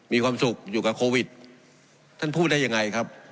มีความสุขอยู่กับโควิดท่านพูดได้ยังไงครับ